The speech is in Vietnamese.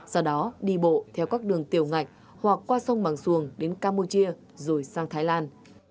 sau đó đi bộ theo các đường tiểu ngạch hoặc qua sông bằng xuồng đến campuchia rồi sang thái lan